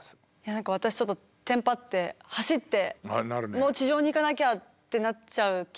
何か私ちょっとテンパって走ってもう地上に行かなきゃってなっちゃう気がするんですけど。